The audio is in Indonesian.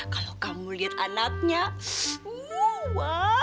kalau kamu lihat anaknya wow